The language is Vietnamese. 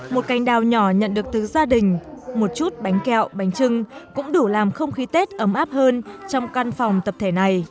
một canh đào nhỏ nhận được thứ gia đình một chút bánh kẹo bánh trưng cũng đủ làm không khí tình